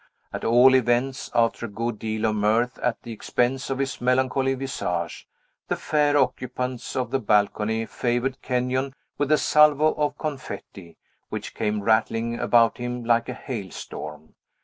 At all events, after a good deal of mirth at the expense of his melancholy visage, the fair occupants of the balcony favored Kenyon with a salvo of confetti, which came rattling about him like a hailstorm.